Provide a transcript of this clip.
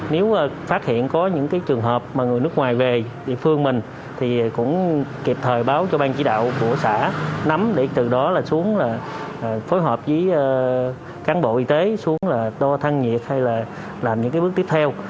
nếu phát hiện có những trường hợp mà người nước ngoài về địa phương mình thì cũng kịp thời báo cho bang chỉ đạo của xã nắm để từ đó là xuống là phối hợp với cán bộ y tế xuống là đo thân nhiệt hay là làm những bước tiếp theo